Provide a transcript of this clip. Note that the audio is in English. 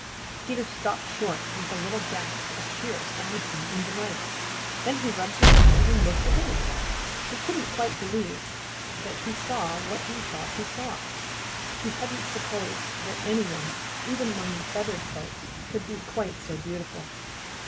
Peter stopped short with a little gasp of sheer astonishment and delight. Then he rubbed his eyes and looked again. He couldn't quite believe that he saw what he thought he saw. He hadn't supposed that any one, even among the feathered folks, could be quite so beautiful.